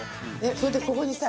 それでここにさ